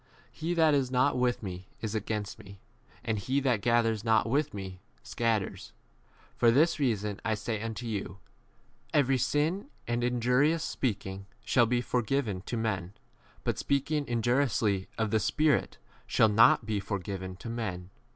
He that is not with me is against me, and he that gathers not with me 31 scatters. For this reason I say unto you, Every sin and injurious speaking shall be forgiven to men, but speaking injuriously of the Spirit shall not be forgiven 32 to men.